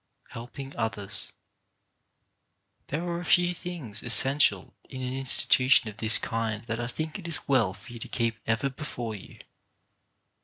HELPING OTHERS There are a few essential things in an institu tion of this kind that I think it is well for you to keep ever before you.